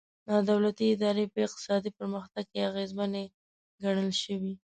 نا دولتي ادارې په اقتصادي پرمختګ کې اغېزمنې ګڼل شوي.